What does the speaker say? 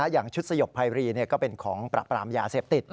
อย่างชุดสยบภัยบรีก็เป็นของปราบปรามยาเสพติด